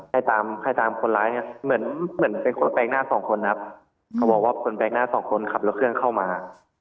ให้ตามให้ตามคนร้ายเนี่ยเหมือนเหมือนเป็นคนแปลกหน้าสองคนครับเขาบอกว่าคนแปลกหน้าสองคนขับรถเครื่องเข้ามา